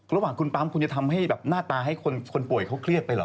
ระหว่างคุณปั๊มคุณจะทำให้แบบหน้าตาให้คนป่วยเขาเครียดไปเหรอ